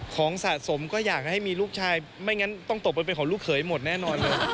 ของสะสมก็อยากให้มีลูกชายไม่งั้นต้องตกไปเป็นของลูกเขยหมดแน่นอนเลย